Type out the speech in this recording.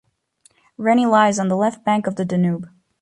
Reni lies on the left bank of the Danube.